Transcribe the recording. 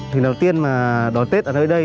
thì đầu tiên mà đón tết ở nơi đây